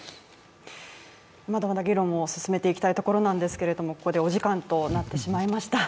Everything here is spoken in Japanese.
まだまだ議論も進めていきたいところなんですけれども、ここでお時間となってしまいました。